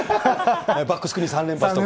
バックスクリーン３連発とか。